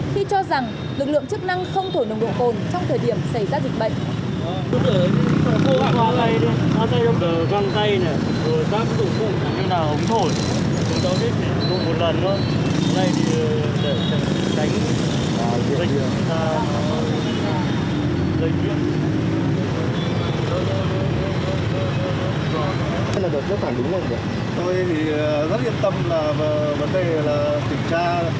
khi cho rằng lực lượng chức năng không thổi nồng độ cồn trong thời điểm xảy ra dịch bệnh